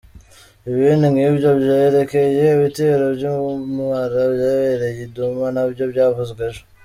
Ibindi nk’ibyo byerekeye ibitero by’ubumara byabereye i Douma nabyo byavuzwe ejo.